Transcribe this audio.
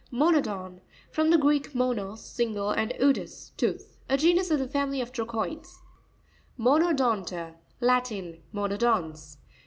Mo'nopon.—From the Greek, monos, single, and odous, tooth. A genus of the family of Trochoides. Monopon'ta.—Latin. ~ Monodons.